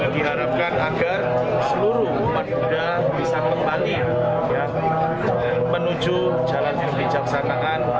diharapkan agar seluruh umat buddha bisa kembali menuju jalan kebijaksanaan